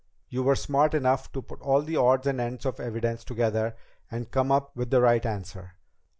You were smart enough to put all the odds and ends of evidence together and come up with the right answer.